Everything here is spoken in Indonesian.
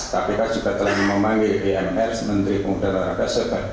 tapi kan juga telah memanggil i n r menteri pundan olahraga